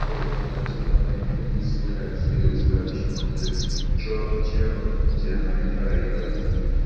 ambapo matatizo mengine sio ya asili husababishwa na vichocheo nje ya maeneo ya hifadhi